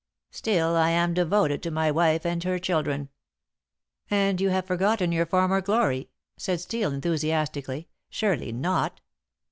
Still, I am devoted to my wife and her children." "And you have forgotten your former glory," said Steel enthusiastically; "surely not.